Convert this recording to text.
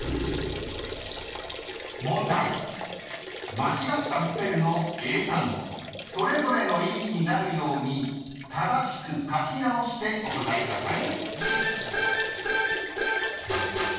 ［間違ったスペルの英単語それぞれの意味になるように正しく書き直してお答えください］